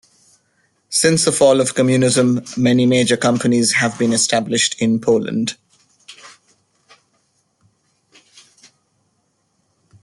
Since the fall of communism many major companies have been established in Poland.